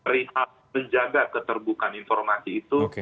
perihal menjaga keterbukaan informasi itu